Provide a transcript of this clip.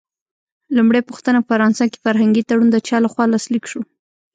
لومړۍ پوښتنه: په فرانسه کې فرهنګي تړون د چا له خوا لاسلیک شو؟